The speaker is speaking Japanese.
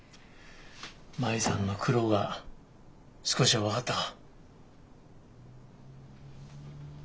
麻衣さんの苦労が少しは分かったか。